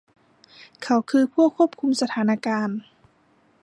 เขาคือผู้ควบคุมสถานการณ์